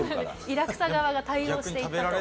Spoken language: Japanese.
イラクサ側が対応して行ったと。